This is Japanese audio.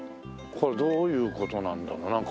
これどういう事なんだろう？